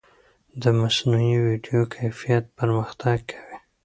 د مصنوعي ویډیو کیفیت پرمختګ کوي.